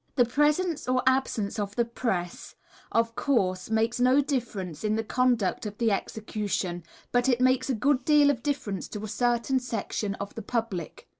The presence or absence of the press, of course, makes no difference in the conduct of the execution, but it makes a good deal of difference to a certain section of the public.